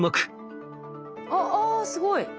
あっあすごい。